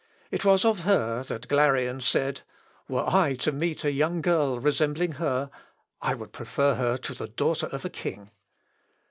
It was of her that Glarean said, "Were I to meet a young girl resembling her, I would prefer her to the daughter of a king."